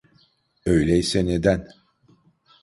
Öyleyse neden?